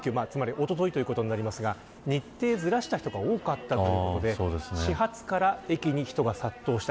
おとといということになりますが日程をずらした人が多かったということで始発から駅に人が殺到した。